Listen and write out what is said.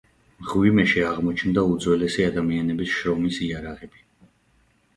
მღვიმეში აღმოჩნდა უძველესი ადამიანების შრომის იარაღები.